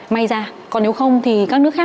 may ra còn nếu không thì các nước khác